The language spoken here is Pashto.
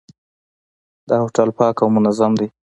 دا هوټل پاک او منظم دی.